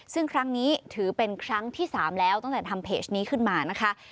ซึ่งครั้งนี้ถือเป็นครั้งที่๓แล้วตั้งแต่ทำเพจนี้ขึ้นมานะคะ